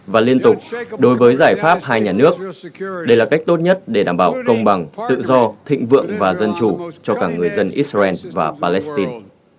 và liên tục đối với giải pháp hai nhà nước đây là cách tốt nhất để đảm bảo công bằng tự do thịnh vượng và dân chủ cho cả người dân israel và palestine